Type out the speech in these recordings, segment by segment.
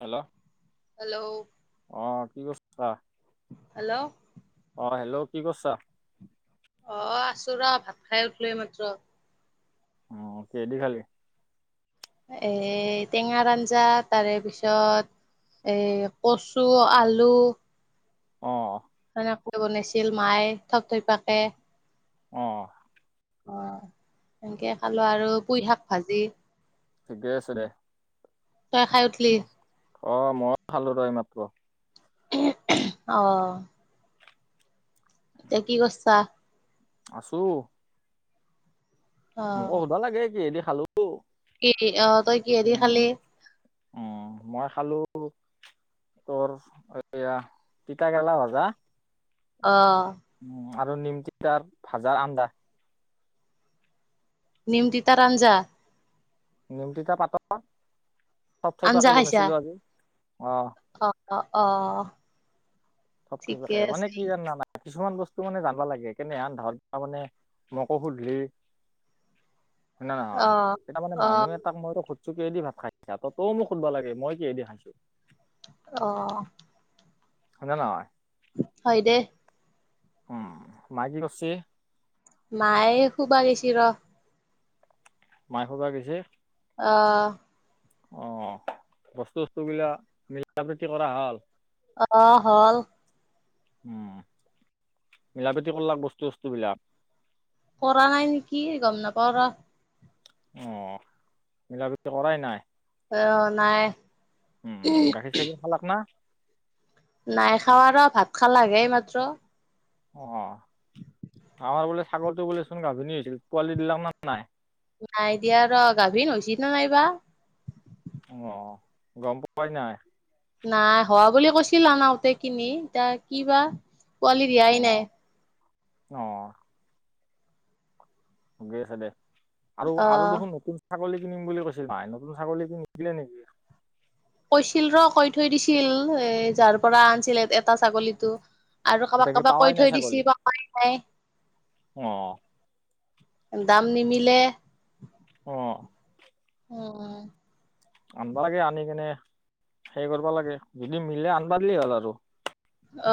Hello hello [inaudible] অ কি কৰিছা? Hello অঁ হেল্ল' কি কৰিছা? অঁ আছো ৰ ভাত খাই উঠিলো এইমাত্ৰ। অ কিহে দি খালি? এ টেঙা আঞ্জা তাৰে পিছত এ কচু, আলু অহ সেনেকৈ বনাইছিল মায়ে থপথপয়াকে। অহ অহ, সেনেকে খালো আৰু পুই -শাক ভাজি ঠিকে আছে দে। তই খাই উঠলি? অহ, মই খালো ৰহ এইমাত্ৰ। [unintelligible] অহ এতিয়া কি কৰছা? আছো অ মোক সোধবা লাগে কিহে দি খালো? কি অহ তই কিহেদি উম খালি? উম মই খালো তোৰ এইয়া তিতা কেৰেলা ভাজা অহ উম, আৰু নিমতি তিতাৰ ভাজাৰ আঞ্জা। নিম তিতাৰ আঞ্জা? নিম তিতা পাতৰ থপথপয়াকে পোৱাকে বনিাইছিলো আজি অহ। অহ - অহ - অহ থপথপয়াকে মানে কি জানা নাই কিছুমান বস্তু মানে জানবা লাগে কেনে হেন ধৰ মানে মোকো সুধলি হয় নাই অ নহয় তেতয়া মানে অ মানুহ এটাক মইতো সুধছো কি দি ভাত খাইছা ত 'তও মোক সুধব লাগে মই কেহেদি খাইছো। অহ হয় নে নহয়? হয় দে। উম, মাই কি কৰচি? মায়ে শুবা গেছি ৰহ। মাই শুবা গেছি? অ', অহ, বস্তু - চস্তু বিলাক মিলাপ্ৰীতি কৰা হল? অহ, হল। উম, মিলাপীতি কৰলাক বস্তু -চস্তু বিলাক। কৰা নাই নেকি গম নাপাও ৰহ। অহ, মিলাপতি কৰাই নাই। অহ, নাই। উম, গাখীৰ -চাখীৰ খালাক না? নাই খাৱা আৰু ভাত খালাক হে এই মাত্ৰ। অহ, আমাৰ বোলে ছাগলটো বোলেছোন গাভিনী হৈছিল পোৱালি দিলাক নে নাই? নাই দিয়া ৰ গাভীন হৈছিনে নাইবা। অহ, গম পোৱাই নাই? নাই হোৱা বুলি কৈছিল আনাওতে কিনি এতয়া কিবা পোৱালি দিয়াই নাই। অহ [unintelligible] আছে দে আৰু- অ আৰু দেখোন নতুন ছাগলী কিনিম বুলি কৈছিল মাই নতুন ছাগলী কিন দিলে নেকি? কৈছিল ৰ' কৈ থৈ দিছিল এ যাৰ পৰা আনিছিল এটা ছাগলীটো আৰু কাবাক - এতিয়াকে কাবাক পাৱাই কৈ নাই থৈ ছাগলী দিছি অ', [unintelligible] দাম নিমিলে অহ অ আনিবা লাগে আনি কেনে হে কৰিবা লাগে যদি মিলে আনিবা দিলে হ'ল আৰু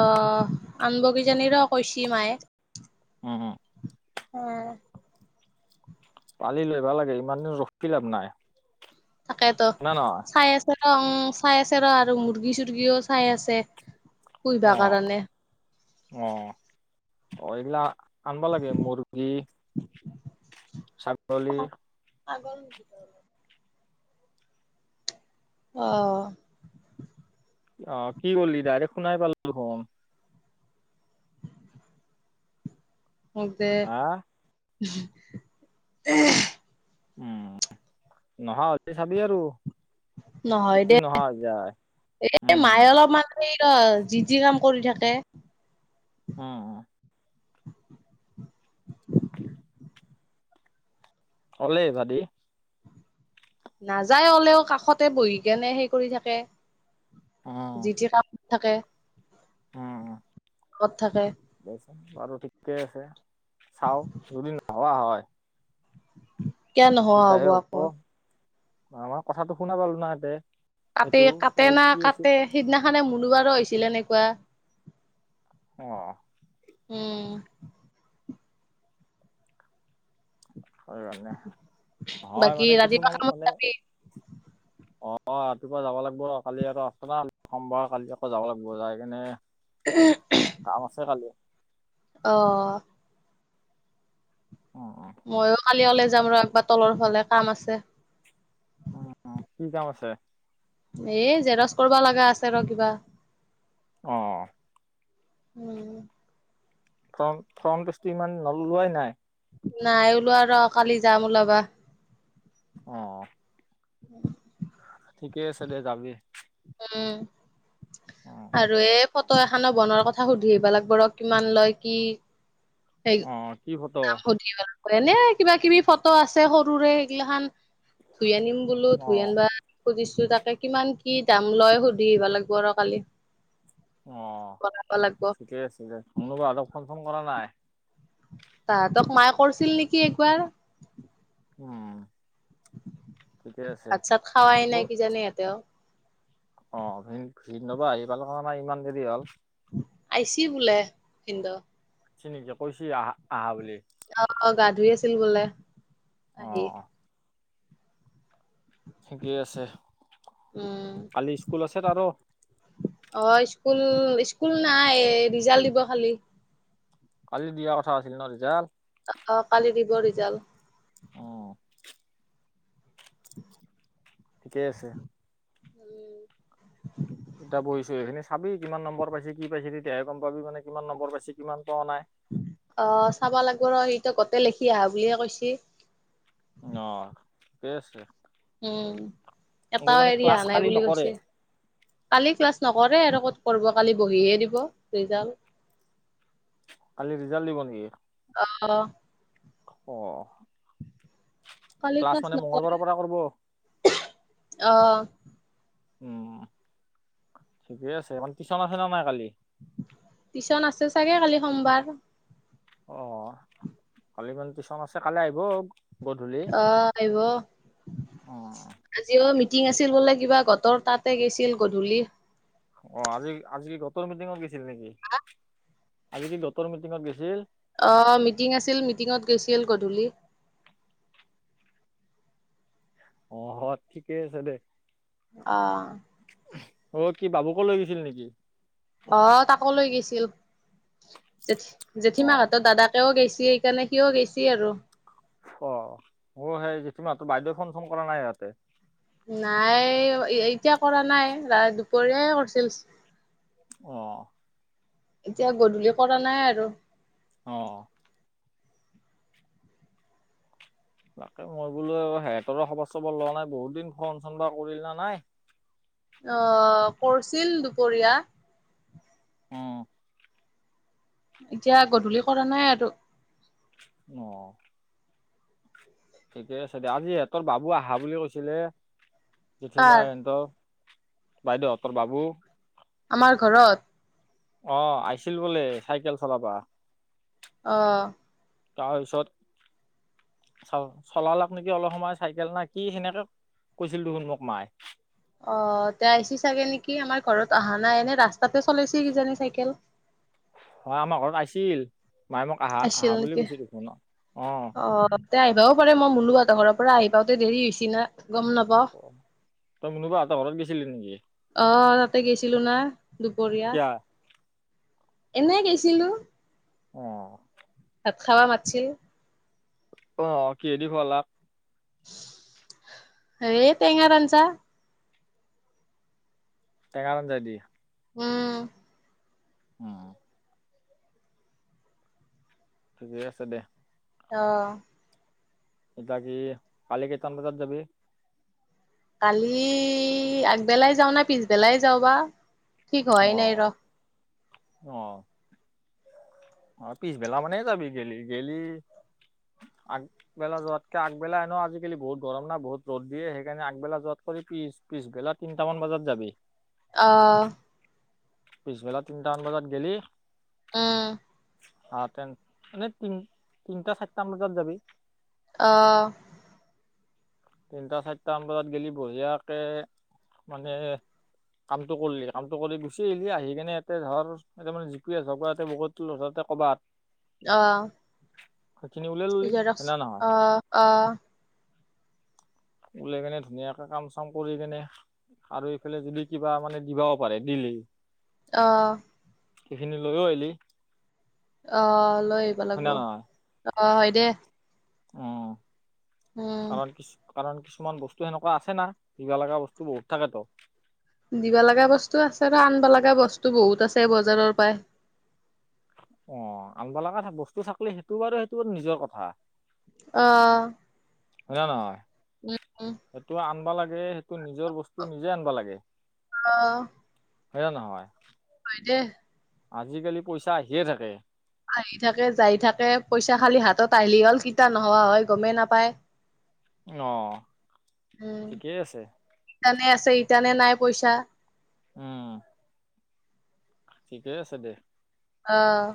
আহ আনব কিজানী ৰ কৈছে মায়ে উম উম কালিলৈ লই আহিব লাগে ইমান দিন ৰখি লাভ নাই। তাকেইতো না নহয় চাই আছে অ চাই আছে ৰ আৰু মুৰ্গী চুৰ্গীও চাই আছে। পুহিবা অহ কাৰণে অহ অ হয় দিয়া আনবা লাগে মুৰ্গী ছাগলী চাগল অহ অহ কি কৰিলি ডাইৰেক শুনাই পালো মই মে হা [unintelligible] উম নহোৱা হলে চাবি আৰু নহয় যদি দে নহা হৈ যায় এ উম, মায়ে অলপমান সেই যি যি কাম কৰি থাকে। উম। কলে ভাবি নাযায় হলেও কাষতে বহি কেনে সেই কৰি থাকে, উম, উম, জি টি কাম। থাকে উম ৰুমত থাকে। দেচোন বাৰু ঠিকে আছে চাও যদি নোহোৱা হয়। কিয় নহোৱা হব আকৌ আ মই কথাটো শুনা পালো না এতে কাট সেইটো এ কাটে না কি আছিল কাটে সিদিনাখনে মনুবাৰো হৈছিল এনেকুৱা অ উম। হয়ে হয় বাকী মানে ৰাতিপুৱা কিছুমান কামত মানে যাবি অ অ ৰাতিপুৱা যাব লাগিব কালি আক আ ন সোমবাৰ কালি আকৌ যাব লাগিব যাই কিনে কাম আছে খালি। অহ। উম উম ময়ো কালি ওলাই যাম ৰ একবাৰ তলৰ ফালে কাম আছে। উ কি কাম আছে এ জেৰক্স কৰিবা লগা আছে ৰ কিবা অহ উম। ফ ফ্ৰণ্ট পেচটো ইমান নললোৱাই নাই নাই ওলোৱা আৰু কালি যাম ওলাবা। অ। উ ঠিকেই আছে দে যাবি। অ উম আৰু এই ফটো এখনো বনোৱাৰ কথা সুধি আহিব লাগিব ৰ কিমান লয় কি? সেই অ কি ভ দাম সুধিব এনে কিবা কিবি ফটো আছে, সৰুৰে এগিলা খান ধুই আনিম বোলো অ ধুই আনিবা দিম সুধিছো তাকে কিমান কি দাম লয় সুধি আহবা লাগব আৰু কালি অ বনাব লাগিব ঠিকেই আছে শনবা আক ফোন চোন কৰা নাই। তাহাঁতক মায়ে কৰিছিল নেকি একবাৰ উম। ঠিকে আছে আচ্ছা খাৱাই অ নাই কি জানি এতে অ ভিন ভিন নব আহি পাল নাই ইমান দেৰি হ'ল আহইছি বোলে ভীন্দও চ নেকি কৈছ আহা আহা বুলি আহ অ গা ধুই আছিল গলে অ আহি ঠিকেই আছে উম কালি স্কুল আছে ত আৰু অ স্কুল স্কুল নাই ৰিজাল্ট দিব খালি কালি দিয়াৰ কথা আছিলি ন ৰিজাল্ট অ কালি দিব ৰিজাল্ট। অ ঠিকেই আছে। উম এতিয়া বহিছো সেইখিনি চাবি কিমান নম্বৰ পাইছি কি পাইছে তেতিয়াহে গম পাবিনে কিমান নম্বৰ পাইছে কিমান পোৱা নাই অঁ চাঁব লাগিব ৰ সিটো গতে লিখি আহা বুলিয়ে কৈছি অঁ ঠিকে আছে উ আকৌ এটাও মানে এৰি ক্লাছ অহা নাই কালি বুলি নকৰে কৈছে কালি ক্লাছ নকৰে আৰু ক'ত কালি বহে দিব জাল কালি ৰিজাল্ট দিব নেকি অঁ অঁ ক্লাছ মানে মঙ্গলবাৰৰ পৰা কৰিব। আহঁ উম ঠিকেই আছেমান টিশন আছে ন নাই কালি টিউশচন আছে চাগে কালি সোমবাৰ। অঁ কালি ম টিউশচন আছে কালি আহিব গধূলি অঁ আহিব অ আজিও মিটিং আছিল বোলে। কিবা গতৰ তাতে গৈছিল গধূলি। অঁ আজি আজি কি গটৰ মিটিঙত গৈছিল নেকি আজি কি গটৰ মিটিঙত গৈছিল। আহ মিটিং আছিল মিটিঙত গৈছিল গধূলি। অঁ ঠিকেই আছে দে। আহঁ অঁ কি বাবুক লৈ গৈছিল নেকি। আহঁ তাকো লৈ গৈছিল জঠ জেঠীমা অ'। হাতৰ দাদাকেও গৈছিল। সেইকাৰণে কিয় গেছি আৰু অঁ অঁ সেইতিমাত্ৰ বাইদেউ ফোন চোন কৰা নাই ইয়াতে নাই এতিয়া কৰা নাই ৰা দুপৰীয়াই কৰিছিল। অঁ। এতিয়া গধূলি কৰা নাই আৰু অঁ তাকে মই বোলো সিহঁতৰ সবৰ চবৰ লোৱা নাই বহুত দিন খ চন বা কৰিল না নাই। [unintelligible] আহ কৰছিল দুপৰীয়া অঁ এতিয়া গধূলি কৰা নাই আৰু আহঁ ঠিকে আছে দেিয় আজি সিহঁতৰ বাবু আহা বুলি কৈছিলে জঠীমা কাৰ সিহতঁৰ বাইদেউ তোৰ বাবু আমাৰ ঘৰত অঁ আহিছিল বোলে চাইকেল চলাবা। আহঁ তাৰপিছত। চ চলালাক নেকি অলপ সময় চাইকেল নাই কি সেনেকে। কৈছিল দেখোন মোক মায়ে। অঁ এতিয়া আহিছি চাগে নেকি আমাৰ ঘৰত অহা নাই এনে ৰাস্তাতে চলাইছে কিজানি চাইকেল। হয়। [unintelligible] হয় আমাৰ ঘৰত আছিল মায়ে মোক আহা আহা আছিল বুলি নেকি কৈছ দেখোন অঁহ। অ' তে আহিবওঁ পাৰে মই মোলোহঁতৰ ঘৰ পৰা আহিওঁতে দেৰি হৈছ না। গম নাপাওঁ। অঁ তই কোনোবা এটা ঘৰত গৈছিলি নেকি। অঁ তাতে গৈছিলো না দুপৰীয়া। কিয়া এনে গেইছিলোঁ। অঁ। তাত ভাত খাঁব মাতিছিল। অঁ কিদি খলা। হেৰি টেঙাৰ আঞ্জা। তেঙা আজ্ঞা দি। উম। অহ। ঠিকেই আছে দে। অ'হ। এতিয়া কি, কালি কেইটামান বজাত যাবি? কালি, আগবেলাই যাওঁ নে পিছবেলাই যাওঁ বা? ঠিক হোৱাই নাই, ৰ অ'হ। অ, পিছবেলা মানে যাবি, গেলি-গেলি। আগবেলা যোৱাতকে আগবেলা এ ন আজিকালি বহুত গৰম না, বহুত ৰ'দ দিয়ে, সেইকাৰণে আগবেলা যোৱাত। পিছ-পিছবেলা তিনিটামান বজাত যাবি। অ'হ। পিছবেলা তিনিটামান বজাত গ'লি উম। অ, তেন এনেই তিন, তিনিটা, চাৰিটামান বজাত যাবি। অ'হ। তিনিটা, চাৰিটামান বজাত গলি বঢ়িয়াকে মানে। কামটো কৰিলি, কামটো কৰি গুচি আহিলি, আহি কিনে এতে ধৰা, এ মানে যিটোৱে যাব আছে সেইটো। কৰ'বাত। অ'হ। ওলাই ললি জিক্স হয় না ক নহয় অহ--অহ। উলিয়াই কেনে ধুনীয়াকে, কাম-চাম কৰি কেনে আৰু এইফালে যদি কিবা মানে, দিবাও পাৰে দি। অ'হ। সেইখিনি লৈও আহিলি। অহ, লৈ আহিব হয় লাগিব, না নহয় অহ হয় দে। উম, উম, কাৰাৰ কিছু। কাৰণ কিছুমান বস্তু সেনেকুৱা আছে না, দিব লগা বস্তু বহুত থাকেতো। দিব লগা বস্তু আছে বা আনিব লগা বস্তু বহুত আছে বজাৰৰ পৰাই। অ, আনিব লগা বস্তু থাকলে, সেইটো বাৰু সেইটো নিজৰ কথা। অহ। হয় ন নহয়, সেইটো আনব লাগে, সেইটো নিজৰ বস্তু নিজে আনব লাগে। অ। হয়না-নহয়? হয় দে। আজিকালি পইচা আহিয়ে থাকে। আহি থাকে, যায় থাকে, পইচা খালি হাতত আহিলি হ'ল। কেতিয়া নহোৱা হয়, গমে নাপায়। অ', ঠিকেই আছে। ছে এই তানে নাই পইচা। উম। ঠিকে আছে দে। অ'।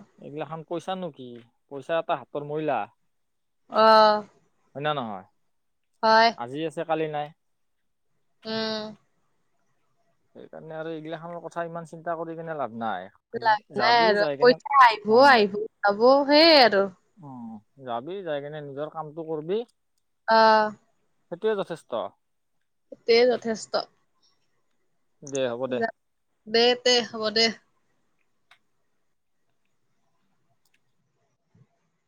পইচা নো কি? পইচা এটা হাতৰ ময়লা। অ'। হয় না নহয়? হয়, আজি আছে, কালি নাই। উম। সেইকাৰণে আৰু এইগিলাখনৰ কথা ইমান চিন্তা কৰিকেনে লাভ নাই লাভ নাই যাবি আৰু। যাই কেনে পইচা অ আহিব-আহিব, যাব সেয়ে আৰু্ অ যাবি, যাই কেনে নিজৰ কামটো কৰবি। অ'। সেইটোৱে যথেষ্ট। তে যথেষ্ট। দে হ'ব দে য- দে তে। হ'ব দে।